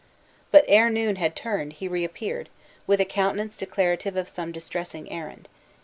But ere noon had turned, he reappeared, with a countenance declarative of some distressing errand.